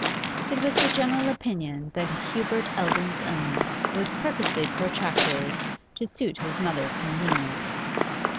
It was the general opinion that Hubert Eldon's illness was purposely protracted, to suit his mother's convenience.